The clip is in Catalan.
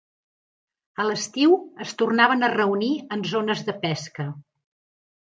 A l'estiu es tornaven a reunir en zones de pesca.